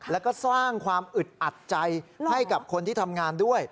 แล้วก็สร้างความอึดอัดใจให้กับคนที่ทำงานด้วย